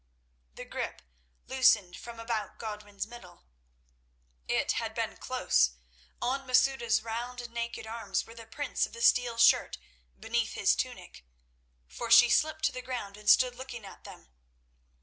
The grip loosened from about Godwin's middle. It had been close; on Masouda's round and naked arms were the prints of the steel shirt beneath his tunic, for she slipped to the ground and stood looking at them.